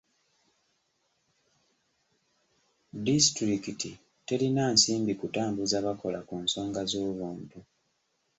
Disitulikiti terina nsimbi kutambuza bakola ku nsonga z'obuntu.